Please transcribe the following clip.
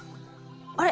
あれ？